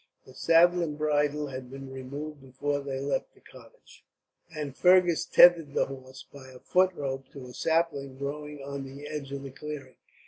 The saddle and bridle had been removed before they left the cottage; and Fergus tethered the horse, by a foot rope, to a sapling growing on the edge of the clearing.